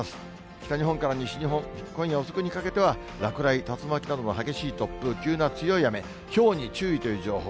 北日本から西日本、今夜遅くにかけては、落雷、竜巻などの激しい突風、急な強い雨、ひょうに注意という情報。